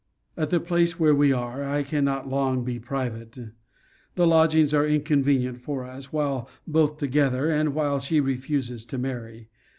At the place where we are, we cannot long be private. The lodgings are inconvenient for us, while both together, and while she refuses to marry.